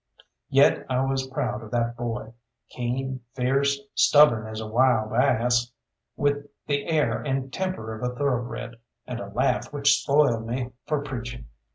Yet I was proud of that boy, keen, fierce, stubborn as a wild ass, with the air and temper of a thoroughbred, and a laugh which spoiled me for preaching.